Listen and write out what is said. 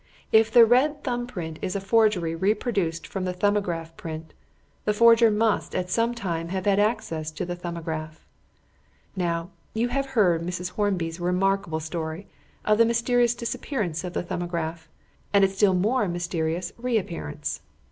If the red thumb print is a forgery reproduced from the 'Thumbograph' print, the forger must at some time have had access to the 'Thumbograph.' Now, you have heard Mrs. Hornby's remarkable story of the mysterious disappearance of the 'Thumbograph' and its still more mysterious reappearance.